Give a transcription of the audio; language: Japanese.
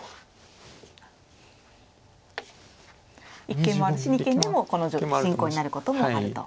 一間もあるし二間でもこの進行になることもあると。